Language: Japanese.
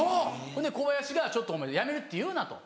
ほんでコバヤシがちょっとお前やめるって言うなと。